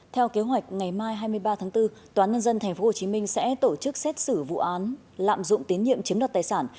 theo kế hoạch ngày mai hai mươi ba tháng bốn toán nhân dân tp hcm sẽ tổ chức xét xử vụ án lạm dụng tín nhiệm chiếm đoạt tài sản